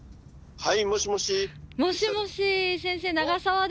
はい。